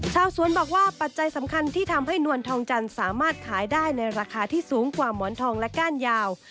ชาวสวนบอกว่าปัจจัยสำคัญที่ทำให้นวลทองจันทร์สามารถขายได้ในราคาที่สูงกว่าหมอนทองและก้านยาว